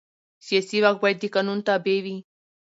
سیاسي واک باید د قانون تابع وي